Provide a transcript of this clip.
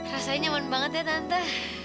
rasanya nyaman banget ya tante